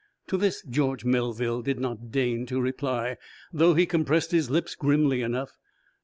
To this George Melville did not deign to reply, though he compressed his lips grimly enough.